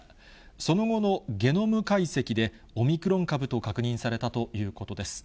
その後のゲノム解析で、オミクロン株と確認されたということです。